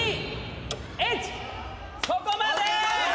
そこまで！